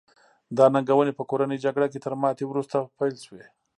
دا ننګونې په کورنۍ جګړه کې تر ماتې وروسته پیل شوې.